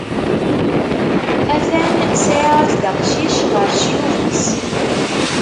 Atan sɛiɣ-as-d aqcic, ɣer ccyub-is!